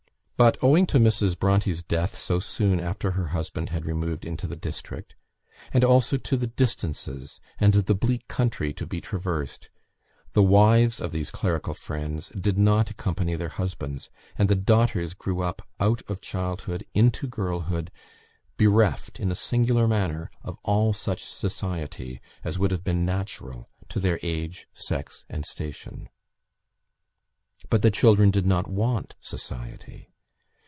But, owing to Mrs. Bronte's death so soon after her husband had removed into the district, and also to the distances, and the bleak country to be traversed, the wives of these clerical friends did not accompany their husbands; and the daughters grew up out of childhood into girlhood bereft, in a singular manner, of all such society as would have been natural to their age, sex, and station. But the children did not want society.